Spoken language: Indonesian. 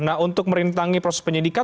nah untuk merintangi proses penyidikan